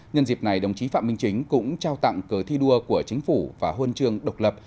nhân dịp này đồng chí phạm minh chính cũng trao tặng cớ thi đua của chính phủ và huân chương độc lập